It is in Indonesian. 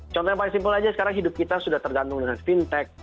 contoh yang paling simpel aja sekarang hidup kita sudah tergantung dengan fintech